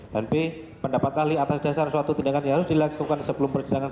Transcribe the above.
dan b pendapat ahli atas dasar suatu tindakan yang harus dilakukan sebelum persidangan